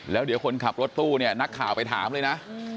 แล้วเดี๋ยวคนขับรถตู้เนี่ยนักข่าวไปถามเลยนะ